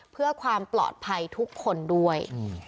เพื่อความปลอดภัยทุกคนด้วย